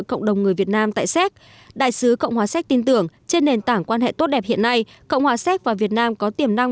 cộng đồng người việt nam tại séc đại sứ cộng hòa séc tin tưởng trên nền tảng quan hệ tốt đẹp hiện nay cộng hòa séc và việt nam có tiềm năng